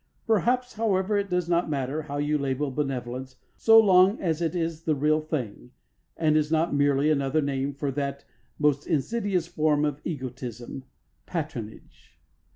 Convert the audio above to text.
Perhaps, however, it does not matter how you label benevolence so long as it is the real thing and is not merely another name for that most insidious form of egotism patronage.